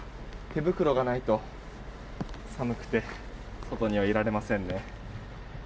手袋がないと寒くて外にはいられませんね。